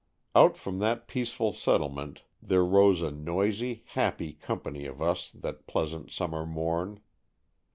Out from that peaceful settlement there rode a noisy, happy company of us that pleasant summer morn.